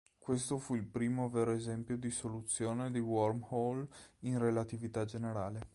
Questo fu il primo vero esempio di soluzione di wormhole in relatività generale.